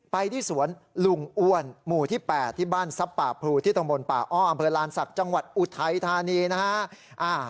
ไปที่สวนลุงอ้วนหมู่ที่๘ที่บ้านทรัพย์ป่าพลูที่ตำบลป่าอ้ออำเภอลานศักดิ์จังหวัดอุทัยธานีนะฮะ